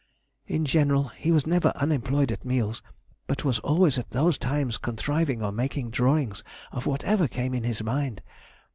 In general he was never unemployed at meals, but was always at those times contriving or making drawings of whatever came in his mind.